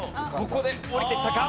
ここで降りてきたか！